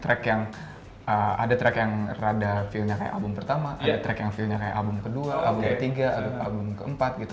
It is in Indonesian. track yang ada track yang rada feelnya kayak album pertama ada track yang feelnya kayak album kedua album ketiga atau album keempat gitu